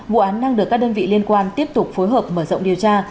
vụ án đang được các đơn vị liên quan tiếp tục phối hợp mở rộng điều tra